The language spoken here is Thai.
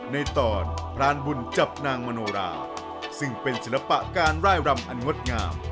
ในตอนพรานบุญจับนางมโนราซึ่งเป็นศิลปะการร่ายรำอันงดงาม